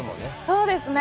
そうですね